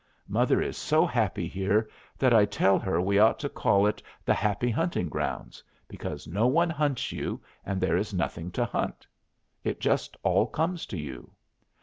Mother is so happy here that I tell her we ought to call it the Happy Hunting Grounds, because no one hunts you, and there is nothing to hunt; it just all comes to you.